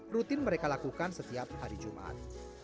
rutin mereka lakukan setiap hari jumat